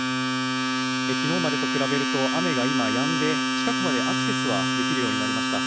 昨日までと比べると雨が今やんで近くへはアクセスできるようになりました。